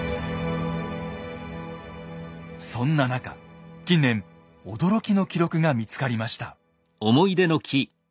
そんな中近年驚きの記録が見つかりました。